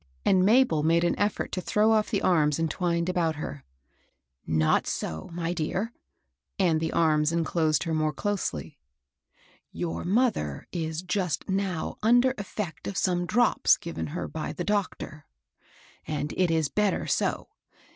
" and Mabel made an effort to throw off the arms entwined about her. *' Not so, my dear ;" and the arms enclosed her more closely. " Your mother is just now under effect of some drops given her by the doctor ; and it is better so.